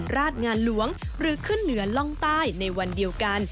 ราชงานหลวงหรือขึ้นเหนือล่องใต้ในวันเดียวกัน